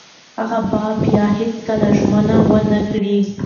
هغه به بیا هیڅکله ژمنه ونه کړي.